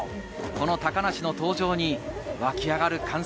高梨の登場に湧き上がる歓声。